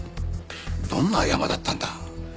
どんなヤマだったんだ？